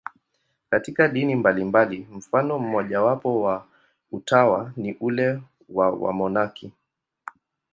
Katika dini mbalimbali, mfano mmojawapo wa utawa ni ule wa wamonaki.